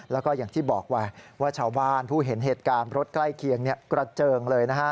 แล้วก็อย่างที่บอกไว้ว่าชาวบ้านผู้เห็นเหตุการณ์รถใกล้เคียงกระเจิงเลยนะฮะ